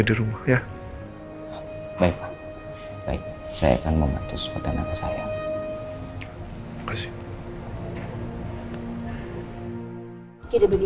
silahkan mbak mbak